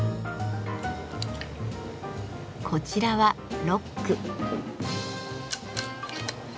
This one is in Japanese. こちらは「ロック」。